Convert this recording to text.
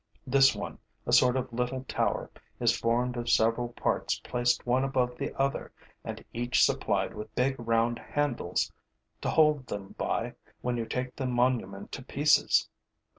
This one, a sort of little tower, is formed of several parts placed one above the other and each supplied with big round handles to hold them by when you take the monument to pieces.